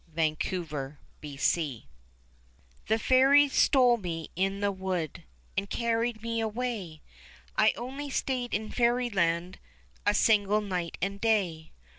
saw rr^HE fairies stole me in the ^ wood, And carried me away ; I only stayed in fairyland A single night and day.